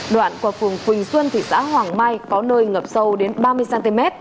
đoạn qua phường quỳnh xuân thị xã hoàng mai có nơi ngập sâu đến ba mươi cm